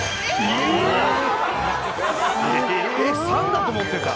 ３だと思ってた。